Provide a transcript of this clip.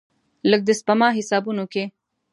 لږ، د سپما حسابونو کې